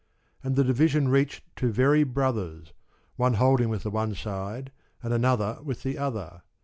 And the division reached to very brothers, one holding with the one side, and another with the other.